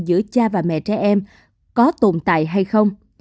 giữa cha và mẹ trẻ em có tồn tại hay không